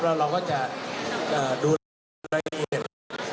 เราก็จะดูรายละเอียด